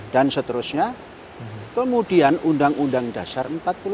dan seterusnya kemudian undang undang dasar empat puluh lima